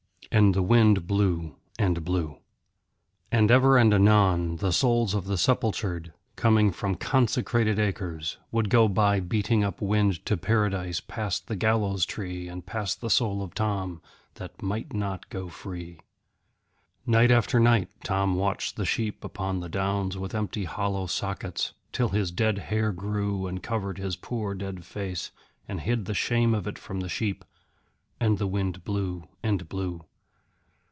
And the wind blew and blew. And ever and anon the souls of the sepultured, coming from consecrated acres, would go by beating up wind to Paradise past the Gallows Tree and past the soul of Tom, that might not go free. Night after night Tom watched the sheep upon the downs with empty hollow sockets, till his dead hair grew and covered his poor dead face, and hid the shame of it from the sheep. And the wind blew and blew.